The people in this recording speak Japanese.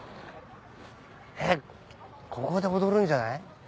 えっここで踊るんじゃない？